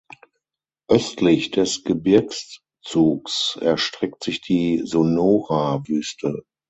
Östlich des Gebirgszugs erstreckt sich die Sonora-Wüste.